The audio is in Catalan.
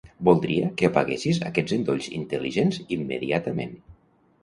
Voldria que apaguessis aquests endolls intel·ligents immediatament.